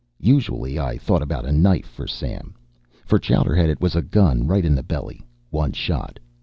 Usually I thought about a knife for Sam. For Chowderhead it was a gun, right in the belly, one shot.